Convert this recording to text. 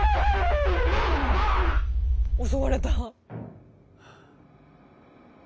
襲われた。